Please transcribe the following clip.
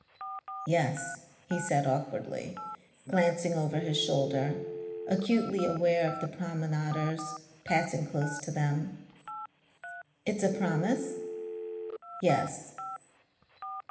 "Yes," he said awkwardly, glancing over his shoulder, acutely aware of the promenaders passing close to them. "It's a promise?" "Yes."